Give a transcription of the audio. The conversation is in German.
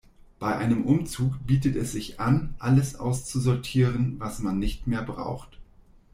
Bei einem Umzug bietet es sich an, alles auszusortieren, was man nicht mehr braucht.